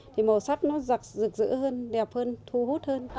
thì màu sắc nó rực rỡ hơn đẹp hơn thu hút hơn